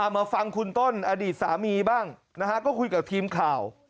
มาฟังคุณต้นอดีตสามีบ้างนะฮะก็คุยกับทีมข่าว